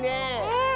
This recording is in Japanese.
うん。